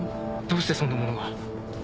どうしてそんなものが？